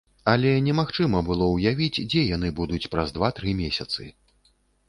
Але немагчыма было ўявіць, дзе яны будуць праз два-тры месяцы.